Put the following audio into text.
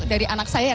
dari anak saya ya